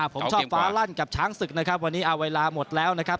ผมชอบฟ้าลั่นกับช้างศึกนะครับวันนี้เอาเวลาหมดแล้วนะครับ